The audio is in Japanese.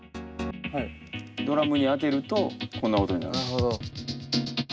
ドラムに当てるとこんな音になるんです。